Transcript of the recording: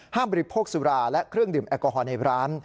บริโภคสุราและเครื่องดื่มแอลกอฮอลในร้าน